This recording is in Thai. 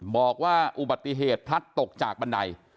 บอกว่าอุบัติเหตุพลัดตกจากบันได